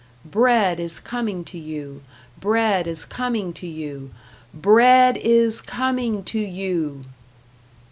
# Bread is coming to you! #Bread is coming to you!! BREAD IS COMING TO YOU!!!"